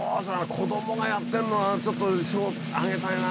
子供がやってんのはちょっと賞あげたいな。